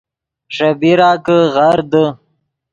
ݰے بیرا کہ غر دے